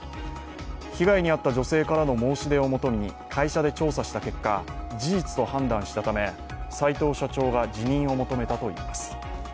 被害に遭った女性からの申し出をもとに会社で調査した結果、事実と判断したため齊藤社長が辞任を求めたということです。